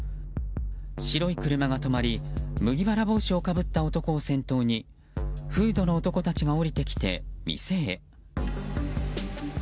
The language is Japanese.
白い車が止まり麦わら帽子をかぶった男を先頭にフードの男たちが降りてきて店へ。